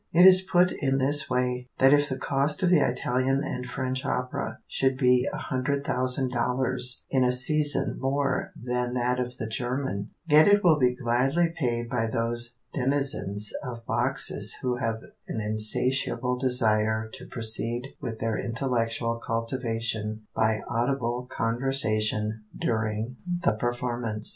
It is put in this way, that if the cost of the Italian and French opera should be a hundred thousand dollars in a season more than that of the German, yet it will be gladly paid by those denizens of boxes who have an insatiable desire to proceed with their intellectual cultivation by audible conversation during the performance.